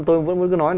tôi vẫn cứ nói